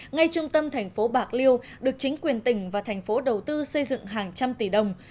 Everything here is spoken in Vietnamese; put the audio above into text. ngay trung tâm thành phố bạc liêu được chính quyền tỉnh và thành phố đầu tư xây dựng hàng trăm tỷ đồng